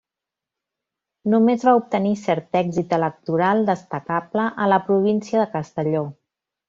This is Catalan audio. Només va obtenir cert èxit electoral destacable a la província de Castelló.